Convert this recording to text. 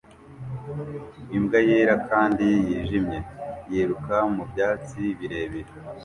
Imbwa yera kandi yijimye yiruka mu byatsi birebire